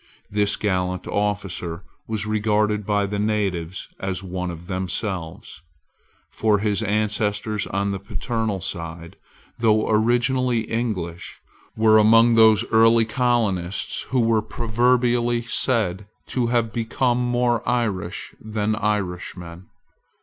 This gallant officer was regarded by the natives as one of themselves: for his ancestors on the paternal side, though originally English, were among those early colonists who were proverbially said to have become more Irish than Irishmen.